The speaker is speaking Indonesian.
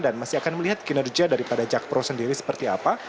dan masih akan melihat kinerja daripada jakpro sendiri seperti apa